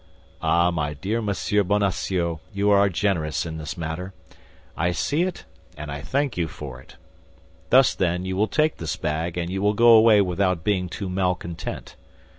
"Ah, my dear Monsieur Bonacieux, you are generous in this matter. I see it and I thank you for it. Thus, then, you will take this bag, and you will go away without being too malcontent."